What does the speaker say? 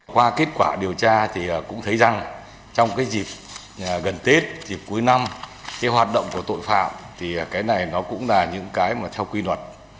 qua kết quả điều tra thì cũng thấy rằng trong cái dịp gần tết dịp cuối năm cái hoạt động của tội phạm thì cái này nó cũng là những cái mà theo quy luật